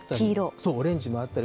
そう、オレンジもあったり。